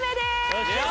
よっしゃ！